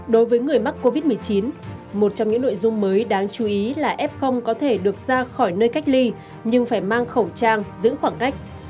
đối với người mắc covid một mươi chín một trong những nội dung mới đáng chú ý là f có thể được ra khỏi nơi cách ly nhưng phải mang khẩu trang giữ khoảng cách